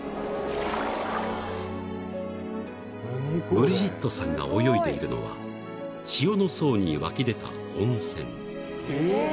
［ブリジットさんが泳いでいるのは塩の層に湧き出た温泉］